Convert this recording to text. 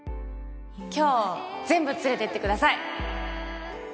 今日全部連れてってください